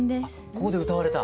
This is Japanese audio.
ここで歌われた？